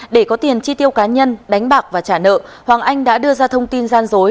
để có tiền chi tiêu cá nhân đánh bạc và trả nợ hoàng anh đã đưa ra thông tin gian dối